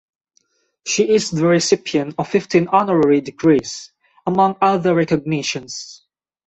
She is the recipient of fifteen honorary degrees, among other recognitions.